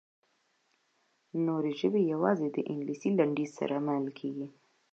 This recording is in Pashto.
نورې ژبې یوازې د انګلیسي لنډیز سره منل کیږي.